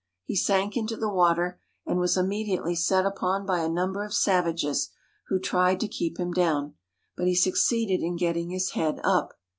He sank into the water, and was immediately set upon by a number of savages, who tried to keep him down, but he succeeded in getting his head up.